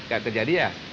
gak terjadi ya